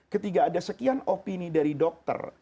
ketika ada sekian opini dari dokter